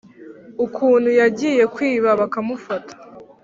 ukuntu yagiye kwiba bakamufata,